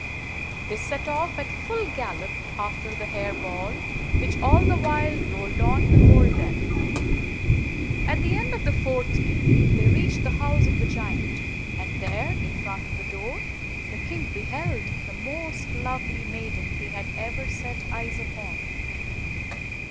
107 They set off at full gallop after the hair ball, which all the while rolled on before them. At the end of the fourth day, they reached the house of the giant; and there, in front of the door, the king beheld the most lovely maiden he had ever set eyes upon.